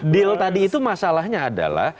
deal tadi itu masalahnya